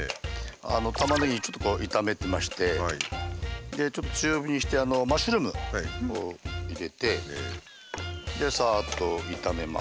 たまねぎちょっと炒めましてちょっと強火にしてマッシュルーム入れてさっと炒めます。